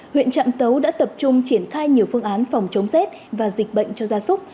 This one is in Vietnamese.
huyện trạm tấu đã tập trung triển khai nhiều phương án phòng chống rét và dịch bệnh cho gia súc